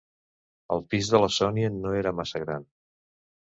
El pis de la Sònia no era massa gran.